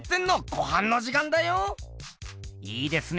いいですね！